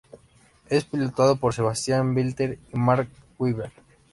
Es pilotado por Sebastian Vettel y Mark Webber.